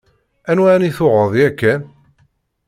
Anwa ɛni tuɣeḍ yakan?